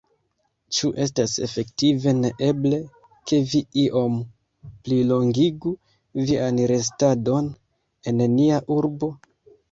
Ĉu estas efektive neeble, ke vi iom plilongigu vian restadon en nia urbo?